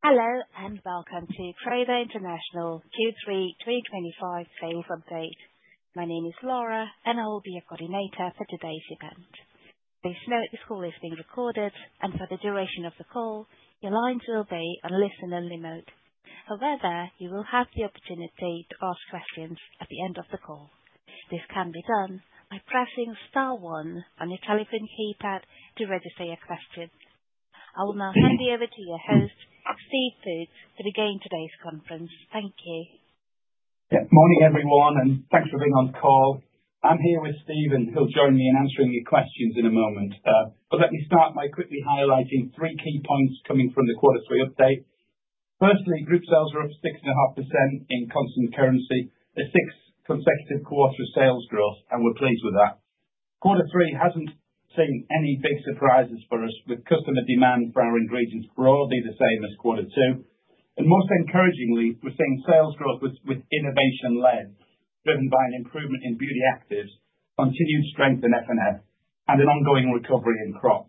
Hello and welcome to Croda International Q3 2025 sales update. My name is Laura, and I will be your coordinator for today's event. Please note this call is being recorded, and for the duration of the call, your lines will be on listen-only mode. However, you will have the opportunity to ask questions at the end of the call. This can be done by pressing star one on your telephone keypad to register your question. I will now hand you over to your host, Steve Foots, to begin today's conference. Thank you. Good morning, everyone, and thanks for being on the call. I'm here with Steven, who'll join me in answering your questions in a moment. But let me start by quickly highlighting three key points coming from the quarter three update. Firstly, group sales are up 6.5% in constant currency. The sixth consecutive quarter of sales growth, and we're pleased with that. Quarter three hasn't seen any big surprises for us, with customer demand for our ingredients broadly the same as quarter two, and most encouragingly, we're seeing sales growth with innovation led, driven by an improvement in Beauty Actives, continued strength in F&F, and an ongoing recovery in Crop.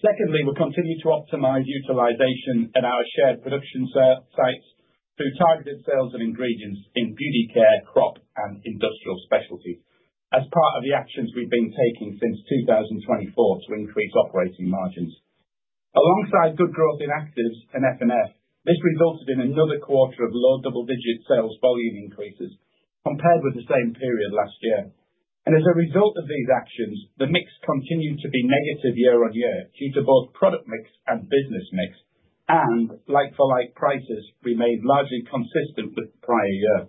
Secondly, we're continuing to optimize utilization at our shared production sites through targeted sales of ingredients in beauty care, Crop, and Industrial Specialties as part of the actions we've been taking since 2024 to increase operating margins. Alongside good growth in actives and F&F, this resulted in another quarter of low double-digit sales volume increases compared with the same period last year. And as a result of these actions, the mix continued to be negative year on year due to both product mix and business mix, and like-for-like prices remained largely consistent with the prior year.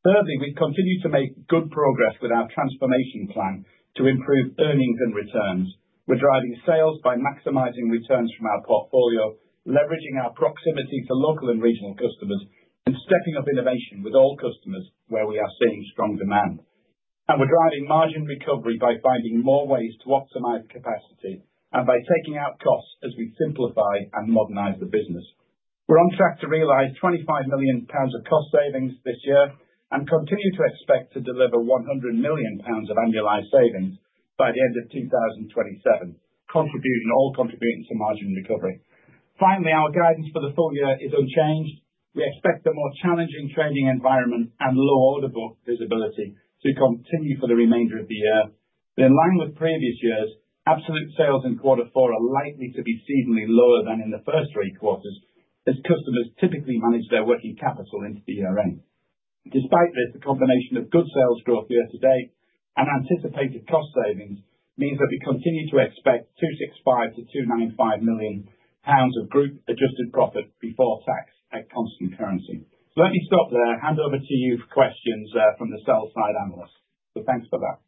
Thirdly, we've continued to make good progress with our transformation plan to improve earnings and returns. We're driving sales by maximizing returns from our portfolio, leveraging our proximity to local and regional customers, and stepping up innovation with all customers where we are seeing strong demand. And we're driving margin recovery by finding more ways to optimize capacity and by taking out costs as we simplify and modernize the business. We're on track to realize £25 million of cost savings this year and continue to expect to deliver £100 million of annualized savings by the end of 2027, all contributing to margin recovery. Finally, our guidance for the full year is unchanged. We expect a more challenging trading environment and lower order visibility to continue for the remainder of the year. But in line with previous years, absolute sales in quarter four are likely to be seasonally lower than in the first three quarters as customers typically manage their working capital into the year end. Despite this, the combination of good sales growth year to date and anticipated cost savings means that we continue to expect £265-£295 million of group adjusted profit before tax at constant currency. So let me stop there. Hand over to you for questions from the sell-side analysts. So thanks for that.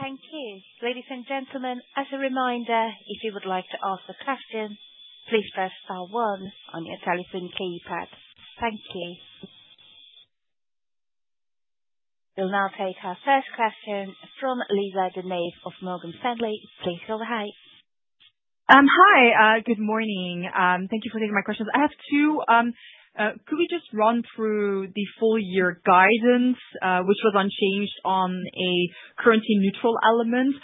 Thank you. Ladies and gentlemen, as a reminder, if you would like to ask a question, please press star one on your telephone keypad. Thank you. We'll now take our first question from Lisa De Neve of Morgan Stanley. Please go ahead. Hi, good morning. Thank you for taking my questions. I have two. Could we just run through the full year guidance, which was unchanged on a currency-neutral element,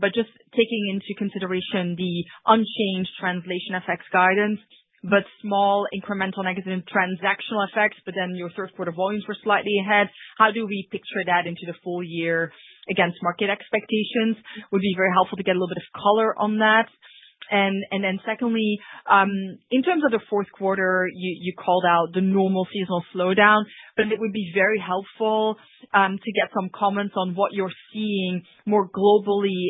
but just taking into consideration the unchanged translation effects guidance, but small incremental negative transactional effects, but then your third quarter volumes were slightly ahead? How do we picture that into the full year against market expectations? It would be very helpful to get a little bit of color on that. And then secondly, in terms of the fourth quarter, you called out the normal seasonal slowdown, but it would be very helpful to get some comments on what you're seeing more globally,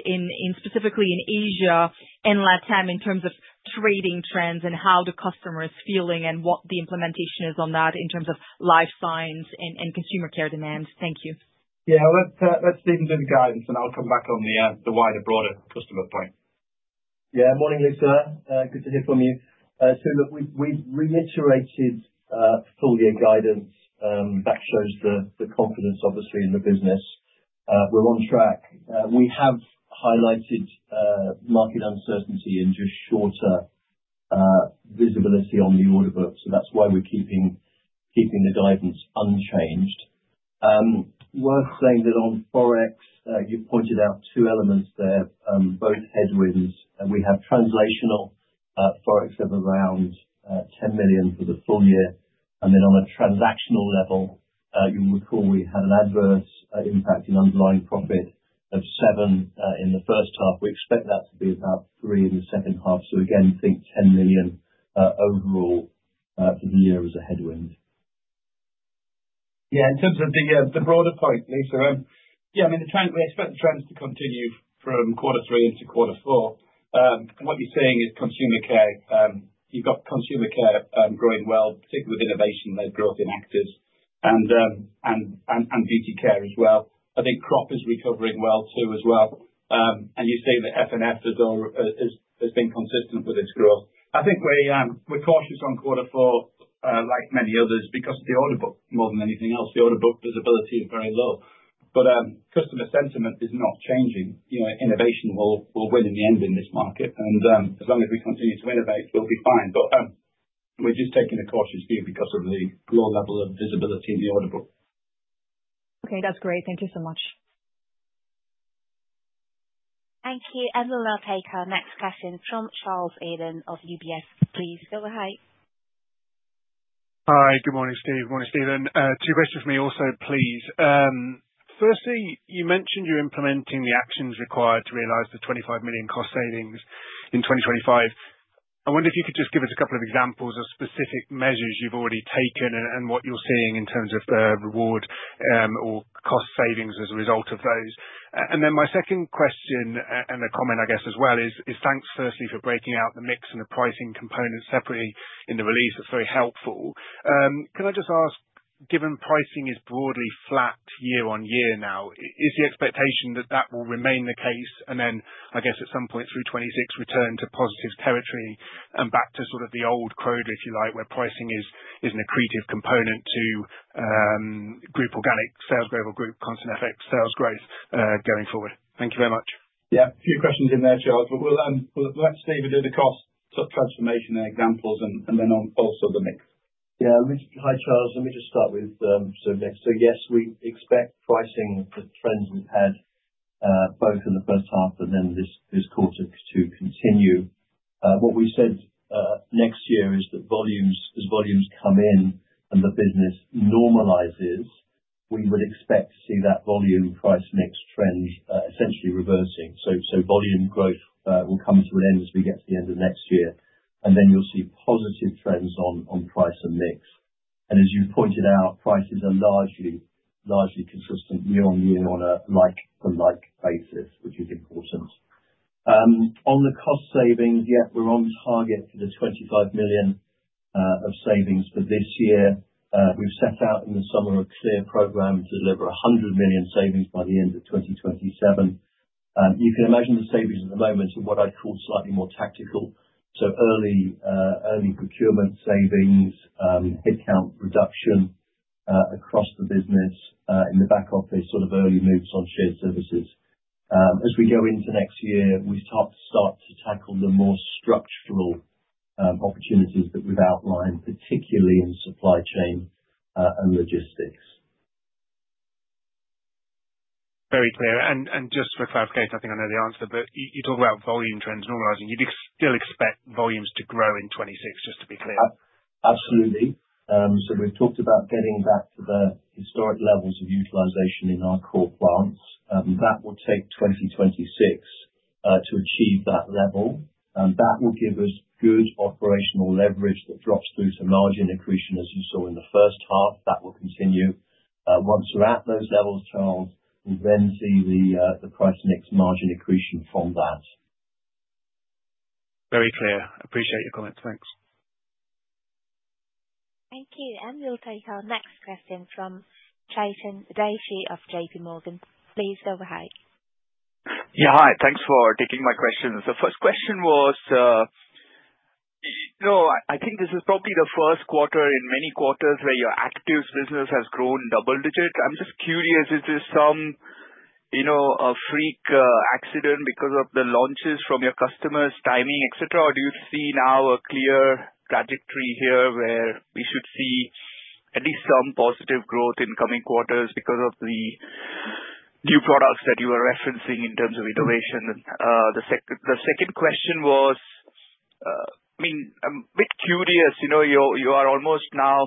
specifically in Asia and Latam in terms of trading trends and how the customer is feeling and what the implementation is on that in terms of Life Sciences and Consumer Care demands. Thank you. Yeah, let's dig into the guidance, and I'll come back on the wider broader customer point. Yeah, morning, Lisa. Good to hear from you. So look, we've reiterated full year guidance that shows the confidence, obviously, in the business. We're on track. We have highlighted market uncertainty and just shorter visibility on the order book, so that's why we're keeping the guidance unchanged. Worth saying that on Forex, you've pointed out two elements there, both headwinds. We have translational Forex of around 10 million for the full year. And then on a transactional level, you'll recall we had an adverse impact in underlying profit of 7 in the first half. We expect that to be about 3 in the second half. So again, think 10 million overall for the year as a headwind. Yeah, in terms of the broader point, Lisa, yeah, I mean, we expect the trends to continue from quarter three into quarter four. What you're seeing is Consumer Care. You've got Consumer Care growing well, particularly with innovation-led growth in actives and Beauty Care as well. I think Crop is recovering well too. You see that F&F has been consistent with its growth. I think we're cautious on quarter four, like many others, because of the order book more than anything else. The order book visibility is very low, but customer sentiment is not changing. Innovation will win in the end in this market, and as long as we continue to innovate, we'll be fine, but we're just taking a cautious view because of the low level of visibility in the order book. Okay, that's great. Thank you so much. Thank you. And we'll now take our next question from Charles Eden of UBS. Please go ahead. Hi, good morning, Steve. Morning, Steven. Two questions for me also, please. Firstly, you mentioned you're implementing the actions required to realize the 25 million cost savings in 2025. I wonder if you could just give us a couple of examples of specific measures you've already taken and what you're seeing in terms of the reward or cost savings as a result of those. And then my second question and a comment, I guess, as well is thanks firstly for breaking out the mix and the pricing component separately in the release. That's very helpful. Can I just ask, given pricing is broadly flat year on year now, is the expectation that that will remain the case and then, I guess, at some point through 2026 return to positive territory and back to sort of the old code, if you like, where pricing is an accretive component to group organic sales growth or group constant effects sales growth going forward? Thank you very much. Yeah, a few questions in there, Charles. But we'll let Steve do the cost transformation examples and then also the mix. Yeah, hi, Charles. Let me just start with the mix. So yes, we expect pricing trends we've had both in the first half and then this quarter to continue. What we said next year is that as volumes come in and the business normalizes, we would expect to see that volume price mix trend essentially reversing. So volume growth will come to an end as we get to the end of next year, and then you'll see positive trends on price and mix. And as you've pointed out, prices are largely consistent year on year on a like-for-like basis, which is important. On the cost savings, yep, we're on target for the 25 million of savings for this year. We've set out in the summer a clear program to deliver 100 million savings by the end of 2027. You can imagine the savings at the moment are what I'd call slightly more tactical. So early procurement savings, headcount reduction across the business, in the back office, sort of early moves on shared services. As we go into next year, we start to tackle the more structural opportunities that we've outlined, particularly in supply chain and logistics. Very clear, and just for clarification, I think I know the answer, but you talk about volume trends normalizing. You still expect volumes to grow in 2026, just to be clear? Absolutely. So we've talked about getting back to the historic levels of utilization in our core plants. That will take 2026 to achieve that level. That will give us good operational leverage that drops through to margin accretion as you saw in the first half. That will continue. Once we're at those levels, Charles, we then see the price mix margin accretion from that. Very clear. Appreciate your comments. Thanks. Thank you. And we'll take our next question from Chetan Udeshi of JPMorgan Chase & Co. Please go ahead. Yeah, hi. Thanks for taking my question. So first question was, I think this is probably the first quarter in many quarters where your actives business has grown double digits. I'm just curious, is this some freak accident because of the launches from your customers, timing, etc., or do you see now a clear trajectory here where we should see at least some positive growth in coming quarters because of the new products that you are referencing in terms of innovation? The second question was, I mean, I'm a bit curious. You are almost now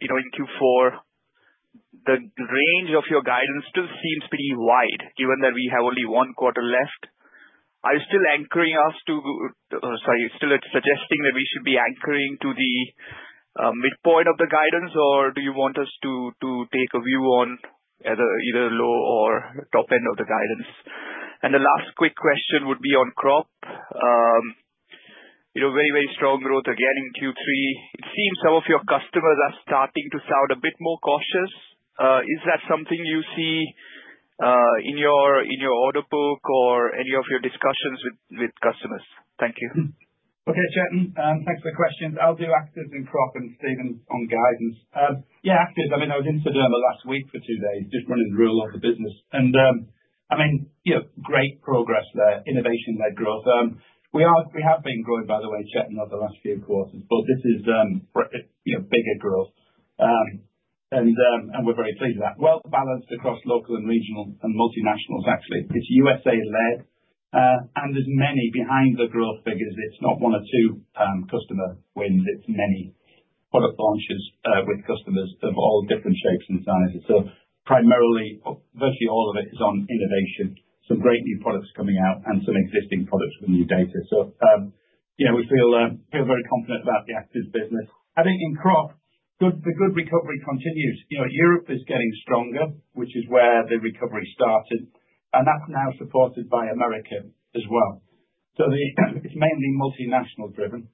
in Q4. The range of your guidance still seems pretty wide, given that we have only one quarter left. Are you still anchoring us to - sorry, still suggesting that we should be anchoring to the midpoint of the guidance, or do you want us to take a view on either low or top end of the guidance? And the last quick question would be on Crop. Very, very strong growth again in Q3. It seems some of your customers are starting to sound a bit more cautious. Is that something you see in your order book or any of your discussions with customers? Thank you. Okay, Chetan, thanks for the questions. I'll do actives and Crop and Steven's on guidance. Yeah, actives. I mean, I was in Sederma last week for two days, just running the real local business, and I mean, great progress there. Innovation-led growth. We have been growing, by the way, Chetan, over the last few quarters, but this is bigger growth, and we're very pleased with that, well balanced across local and regional and multinationals, actually. It's USA-led, and there's many behind the growth figures. It's not one or two customer wins. It's many product launches with customers of all different shapes and sizes. So primarily, virtually all of it is on innovation. Some great new products coming out and some existing products with new data. So we feel very confident about the actives business. I think in Crop, the good recovery continues. Europe is getting stronger, which is where the recovery started. And that's now supported by America as well. So it's mainly multinational-driven,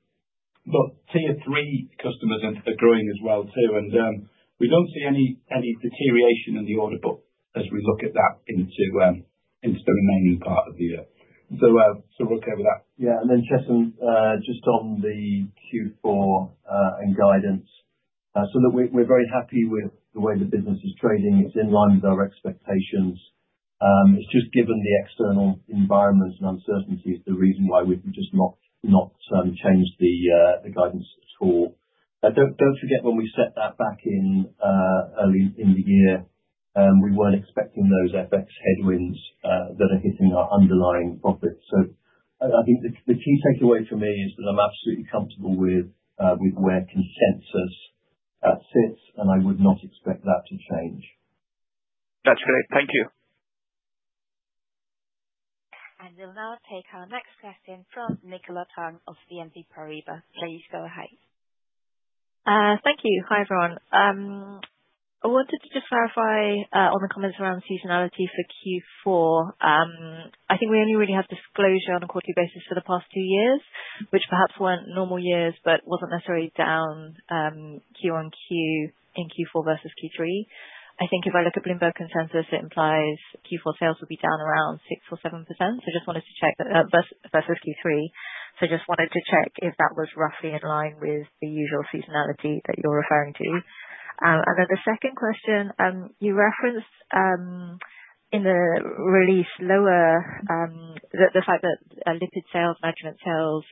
but tier three customers are growing as well too. And we don't see any deterioration in the order book as we look at that into the remaining part of the year. So we're okay with that. Yeah. And then, Chetan, just on the Q4 and guidance. So we're very happy with the way the business is trading. It's in line with our expectations. It's just given the external environment and uncertainty is the reason why we've just not changed the guidance at all. Don't forget when we set that back in early in the year, we weren't expecting those FX headwinds that are hitting our underlying profits. So I think the key takeaway for me is that I'm absolutely comfortable with where consensus sits, and I would not expect that to change. That's great. Thank you. We'll now take our next question from Nicola Tang of BNP Paribas. Please go ahead. Thank you. Hi, everyone. I wanted to just clarify on the comments around seasonality for Q4. I think we only really had disclosure on a quarterly basis for the past two years, which perhaps weren't normal years, but wasn't necessarily down Q on Q in Q4 versus Q3. I think if I look at Bloomberg Consensus, it implies Q4 sales will be down around 6% or 7%. So I just wanted to check that versus Q3. So I just wanted to check if that was roughly in line with the usual seasonality that you're referring to. And then the second question, you referenced in the release lower the fact that Lipid sales management sales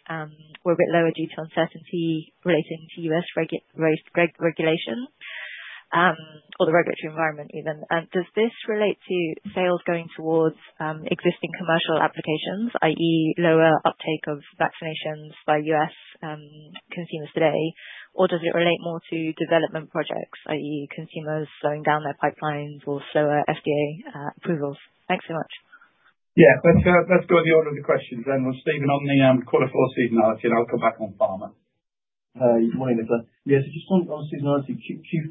were a bit lower due to uncertainty relating to U.S. regulation or the regulatory environment even. Does this relate to sales going towards existing commercial applications, i.e., lower uptake of vaccinations by U.S. consumers today, or does it relate more to development projects, i.e., consumers slowing down their pipelines or slower FDA approvals? Thanks so much. Yeah, let's go to the order of the questions, and Steven, on the quarter four seasonality, and I'll come back on pharma. Morning, Lisa. Yeah, so just on seasonality,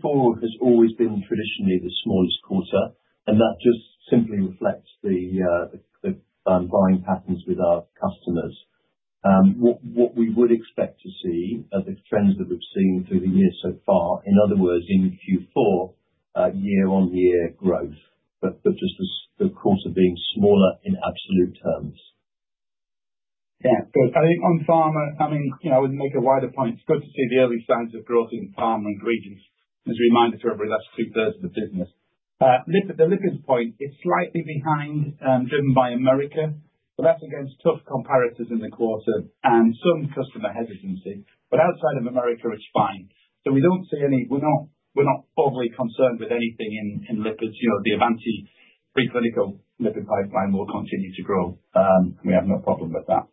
Q4 has always been traditionally the smallest quarter, and that just simply reflects the buying patterns with our customers. What we would expect to see are the trends that we've seen through the year so far. In other words, in Q4, year-on-year growth, but just the quarter being smaller in absolute terms. Yeah, good. I think on pharma, I mean, I wouldn't make a wider point. It's good to see the early signs of growth in pharma ingredients. As a reminder to everyone, that's two-thirds of the business. The lipids point, it's slightly behind, driven by America, but that's against tough comparisons in the quarter and some customer hesitancy, but outside of America, it's fine, so we don't see any. We're not overly concerned with anything in lipids. The Avanti pre-clinical lipid pipeline will continue to grow. We have no problem with that.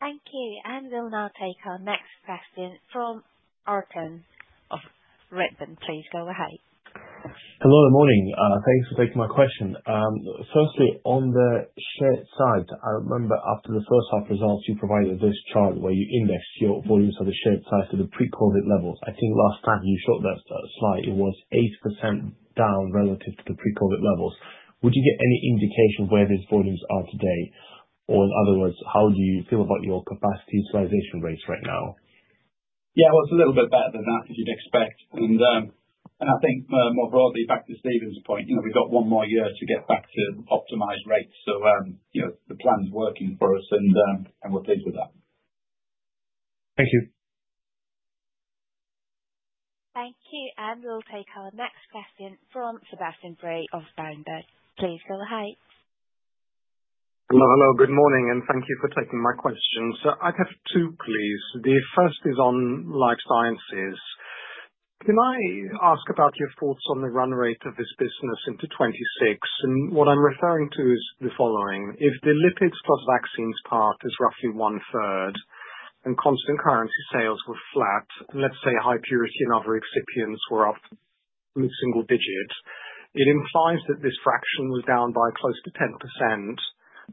Thanks. Thank you. And we'll now take our next question from Artem Chubarov of Redburn Atlantic. Please go ahead. Hello, good morning. Thanks for taking my question. Firstly, on the shared side, I remember after the first half results, you provided this chart where you indexed your volumes of the shared side to the pre-COVID levels. I think last time you showed that slide, it was 8% down relative to the pre-COVID levels. Would you get any indication of where these volumes are today? Or in other words, how do you feel about your capacity utilization rates right now? Yeah, well, it's a little bit better than that, as you'd expect. And I think more broadly, back to Steven's point, we've got one more year to get back to optimized rates. So the plan's working for us, and we're pleased with that. Thank you. Thank you. And we'll take our next question from Sebastian Bray of Berenberg. Please go ahead. Hello, hello. Good morning, and thank you for taking my question. So I'd have two, please. The first is on Life Sciences. Can I ask about your thoughts on the run rate of this business into 2026? And what I'm referring to is the following. If the lipids plus vaccines part is roughly one-third and constant currency sales were flat, and let's say high purity and other excipients were up mid-single digits, it implies that this fraction was down by close to 10%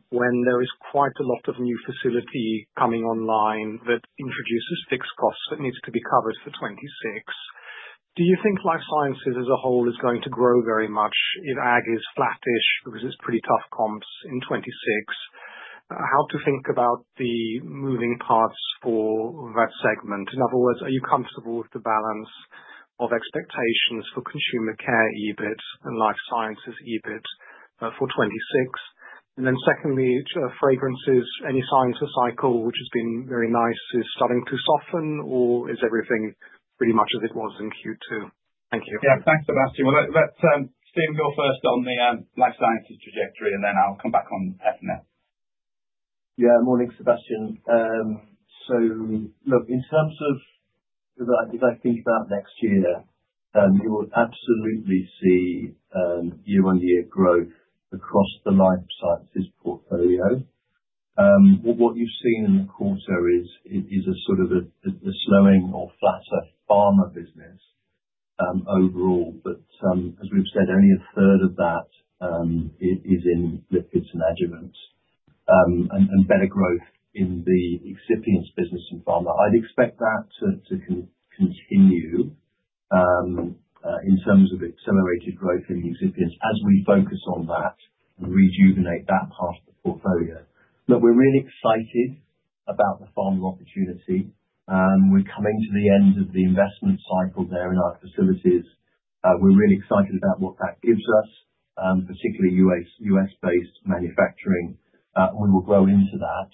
when there is quite a lot of new facility coming online that introduces fixed costs that needs to be covered for 2026. Do you think Life Sciences as a whole is going to grow very much if ag is flattish because it's pretty tough comps in 2026? How to think about the moving parts for that segment? In other words, are you comfortable with the balance of expectations for Consumer Care EBIT and Life Sciences EBIT for 2026? And then secondly, Fragrances, any signs or cycle, which has been very nice, is starting to soften or is everything pretty much as it was in Q2? Thank you. Yeah, thanks, Sebastian, well, Steven, go first on the Life Sciences trajectory, and then I'll come back on F&F. Yeah, morning, Sebastian. So look, in terms of if I think about next year, you will absolutely see year-on-year growth across the life sciences portfolio. What you've seen in the quarter is a sort of a slowing or flatter pharma business overall. But as we've said, only a third of that is in lipids and adjuvants. And better growth in the excipients business in pharma. I'd expect that to continue in terms of accelerated growth in the excipients as we focus on that and rejuvenate that part of the portfolio. Look, we're really excited about the pharma opportunity. We're coming to the end of the investment cycle there in our facilities. We're really excited about what that gives us, particularly U.S.-based manufacturing. We will grow into that.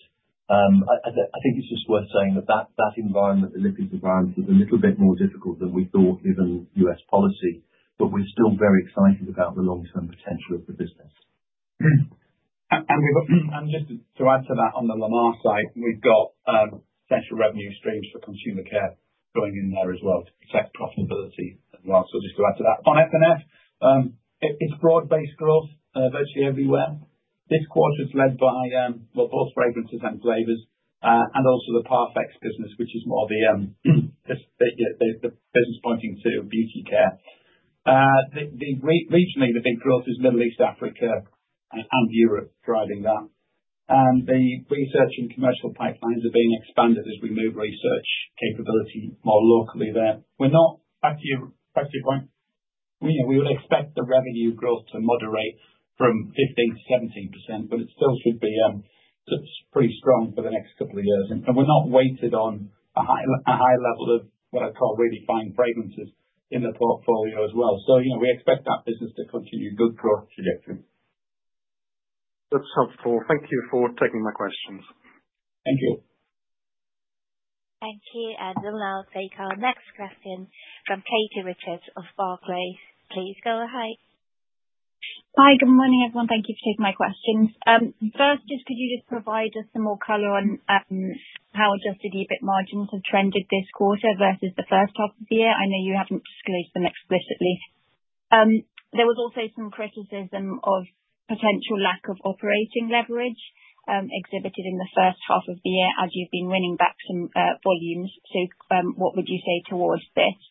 I think it's just worth saying that that environment, the lipids environment, is a little bit more difficult than we thought given U.S. policy, but we're still very excited about the long-term potential of the business. And just to add to that, on the Latam side, we've got potential revenue streams for Consumer Care going in there as well to protect profitability as well, so just to add to that. On F&F, it's broad-based growth virtually everywhere. This quarter's led by both fragrances and flavors and also the Parfex business, which is more the business pointing to Beauty Care. Regionally, the big growth is Middle East, Africa, and Europe driving that, and the research and commercial pipelines are being expanded as we move research capability more locally there. We're not, back to your point, we would expect the revenue growth to moderate from 15%-17%, but it still should be pretty strong for the next couple of years, and we're not weighted on a high level of what I'd call really fine fragrances in the portfolio as well. So we expect that business to continue good growth trajectory. That's helpful. Thank you for taking my questions. Thank you. Thank you. And we'll now take our next question from Katie Richards of Barclays. Please go ahead. Hi, good morning, everyone. Thank you for taking my questions. First, just could you just provide us some more color on how adjusted EBIT margins have trended this quarter versus the first half of the year? I know you haven't disclosed them explicitly. There was also some criticism of potential lack of operating leverage exhibited in the first half of the year as you've been winning back some volumes. So what would you say towards this?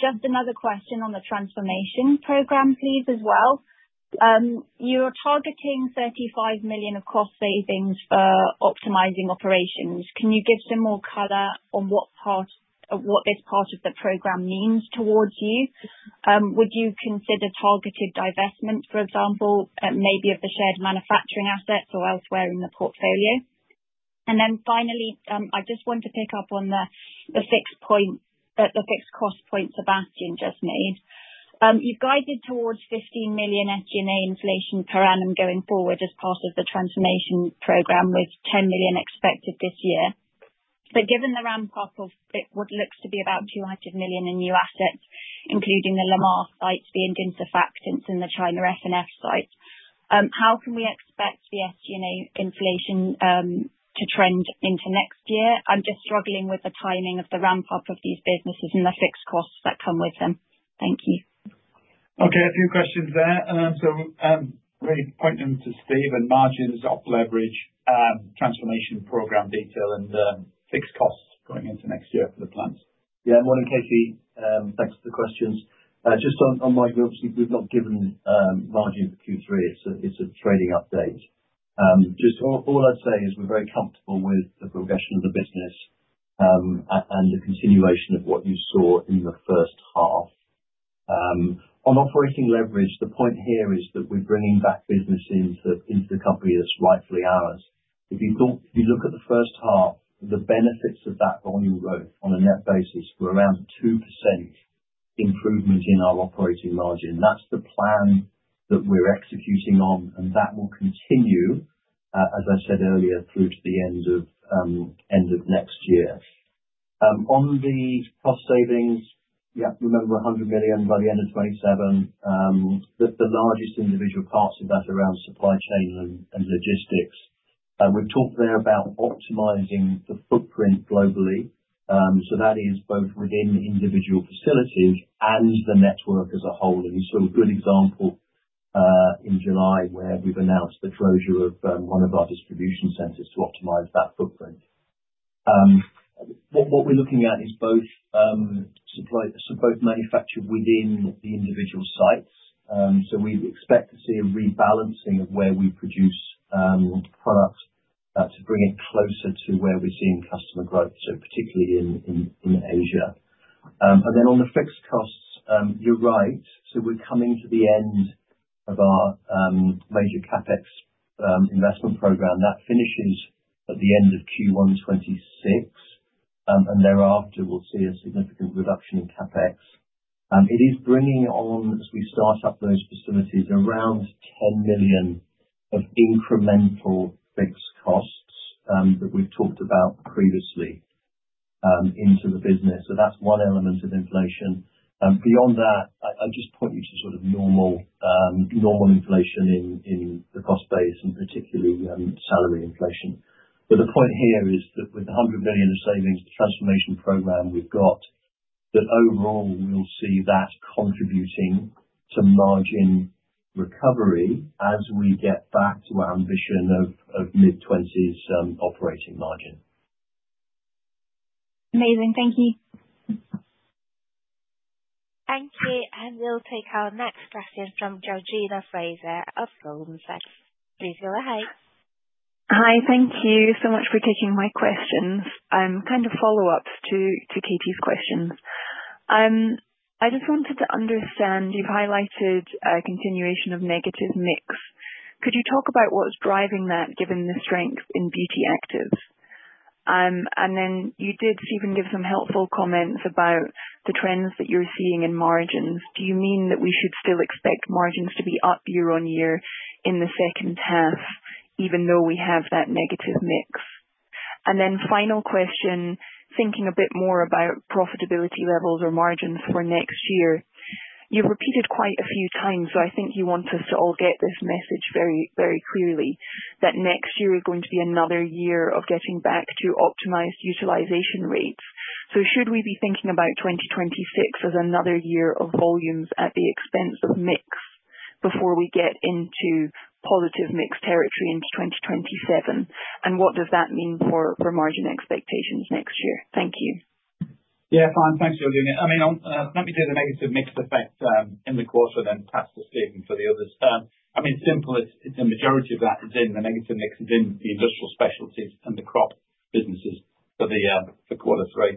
Just another question on the transformation program, please, as well. You're targeting 35 million of cost savings for optimizing operations. Can you give some more color on what this part of the program means towards you? Would you consider targeted divestment, for example, maybe of the shared manufacturing assets or elsewhere in the portfolio? And then finally, I just want to pick up on the fixed cost point Sebastian just made. You've guided towards 15 million SG&A inflation per annum going forward as part of the transformation program, with 10 million expected this year. But given the ramp-up of what looks to be about 200 million in new assets, including the Latam sites being Dinsa Factor and the China F&F sites, how can we expect the SG&A inflation to trend into next year? I'm just struggling with the timing of the ramp-up of these businesses and the fixed costs that come with them. Thank you. Okay, a few questions there, so really pointing to Steven, margins, up leverage, transformation program detail, and fixed costs going into next year for the plants. Yeah, morning, Katie. Thanks for the questions. Just on margins, we've not given margins for Q3. It's a trading update. Just all I'd say is we're very comfortable with the progression of the business and the continuation of what you saw in the first half. On operating leverage, the point here is that we're bringing back business into the company that's rightfully ours. If you look at the first half, the benefits of that volume growth on a net basis were around 2% improvement in our operating margin. That's the plan that we're executing on, and that will continue, as I said earlier, through to the end of next year. On the cost savings, yeah, remember 100 million by the end of 2027. The largest individual parts of that are around supply chain and logistics. We've talked there about optimizing the footprint globally. So that is both within individual facilities and the network as a whole. And you saw a good example in July where we've announced the closure of one of our distribution centers to optimize that footprint. What we're looking at is both manufactured within the individual sites. So we expect to see a rebalancing of where we produce product to bring it closer to where we're seeing customer growth, so particularly in Asia. And then on the fixed costs, you're right. So we're coming to the end of our major CapEx investment program. That finishes at the end of Q1 2026, and thereafter, we'll see a significant reduction in CapEx. It is bringing on, as we start up those facilities, around 10 million of incremental fixed costs that we've talked about previously into the business. So that's one element of inflation. Beyond that, I just point you to sort of normal inflation in the cost base and particularly salary inflation. But the point here is that with 100 million of savings, the transformation program we've got, that overall, we'll see that contributing to margin recovery as we get back to our ambition of mid-20s operating margin. Amazing. Thank you. Thank you. And we'll take our next question from Georgina Fraser of Goldman Sachs. Please go ahead. Hi, thank you so much for taking my questions. Kind of follow-ups to Katie's questions. I just wanted to understand you've highlighted a continuation of negative mix. Could you talk about what's driving that given the strength in Beauty Actives? And then you did, Steven, give some helpful comments about the trends that you're seeing in margins. Do you mean that we should still expect margins to be up year-on-year in the second half, even though we have that negative mix? And then final question, thinking a bit more about profitability levels or margins for next year. You've repeated quite a few times, so I think you want us to all get this message very clearly, that next year is going to be another year of getting back to optimized utilization rates. So should we be thinking about 2026 as another year of volumes at the expense of mix before we get into positive mix territory into 2027? And what does that mean for margin expectations next year? Thank you. Yeah, fine. Thanks for doing it. I mean, let me do the negative mix effect in the quarter and then pass to Steven for the others. I mean, simple, the majority of that is in. The negative mix is in the Industrial Specialties and the Crop businesses for the quarter three.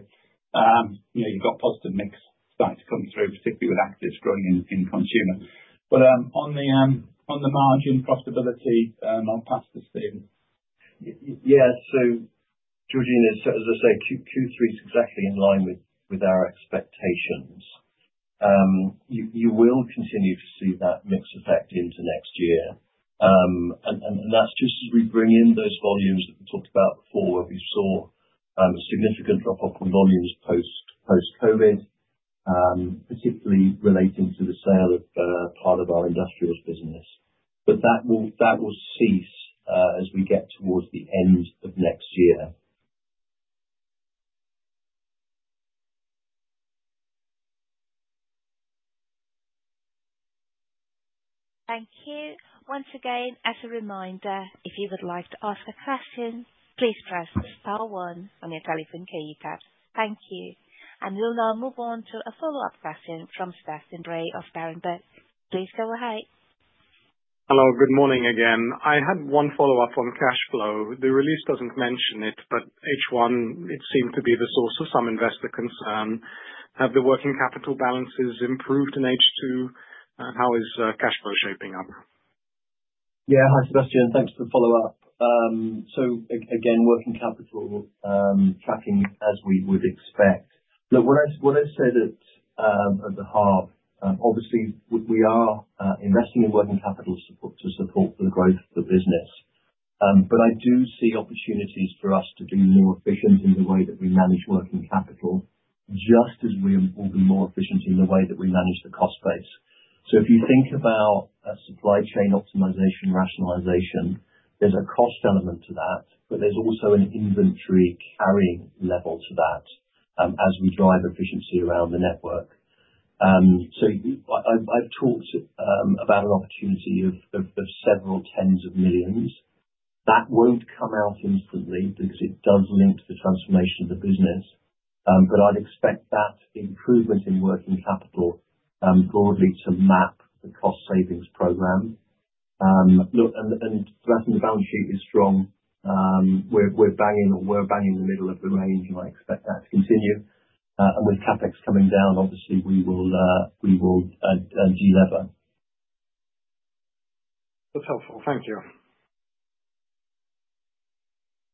You've got positive mix starting to come through, particularly with actives growing in consumer, but on the margin profitability, I'll pass to Steven. Yeah, so Georgina, as I say, Q3 is exactly in line with our expectations. You will continue to see that mix effect into next year. And that's just as we bring in those volumes that we talked about before, where we saw a significant drop-off in volumes post-COVID, particularly relating to the sale of part of our industrials business. But that will cease as we get towards the end of next year. Thank you. Once again, as a reminder, if you would like to ask a question, please press star one on your telephone keypad. Thank you. And we'll now move on to a follow-up question from Sebastian Bray of Berenberg. Please go ahead. Hello, good morning again. I had one follow-up on cash flow. The release doesn't mention it, but H1, it seemed to be the source of some investor concern. Have the working capital balances improved in H2? Yeah, hi, Sebastian. Thanks for the follow-up. So again, working capital tracking as we would expect. Look, when I say that at the heart, obviously, we are investing in working capital to support the growth of the business. But I do see opportunities for us to be more efficient in the way that we manage working capital, just as we will be more efficient in the way that we manage the cost base. So if you think about supply chain optimization, rationalization, there's a cost element to that, but there's also an inventory carrying level to that as we drive efficiency around the network. So I've talked about an opportunity of several tens of millions. That won't come out instantly because it does link to the transformation of the business. But I'd expect that improvement in working capital broadly to map the cost savings program. Look, and the balance sheet is strong. We're banging the middle of the range, and I expect that to continue. And with CapEx coming down, obviously, we will deliver. That's helpful. Thank you.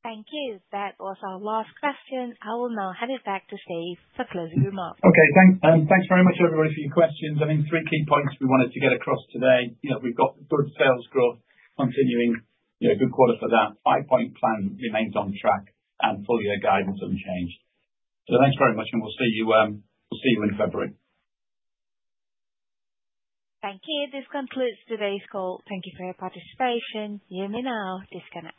Thank you. That was our last question. I will now hand it back to Steve for closing remarks. Okay, thanks very much, everyone, for your questions. I think three key points we wanted to get across today. We've got good sales growth continuing good quarter for that. Five-point plan remains on track and full-year guidance unchanged. So thanks very much, and we'll see you in February. Thank you. This concludes today's call. Thank you for your participation. You may now disconnect.